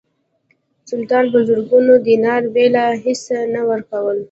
سلطان په زرګونو دیناره بېله هیڅه نه ورکول.